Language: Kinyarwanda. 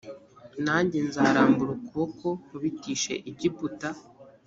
nanjye nzarambura ukuboko nkubitishe egiputa